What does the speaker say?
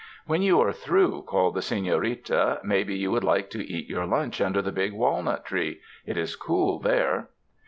"When you are through," called the senorita, "maybe you would like to eat your lunch under the big walnut tree. It is cool there."